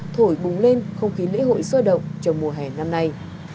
thổi búng lên không khí lễ hội xôi động trong mùa hè năm nay